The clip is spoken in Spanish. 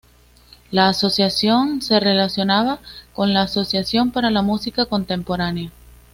La asociación se relacionaba con la Asociación para la Música Contemporánea.